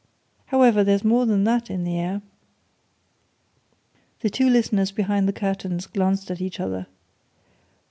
However, there's more than that in the air." The two listeners behind the curtains glanced at each other.